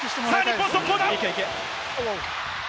日本、速攻だ！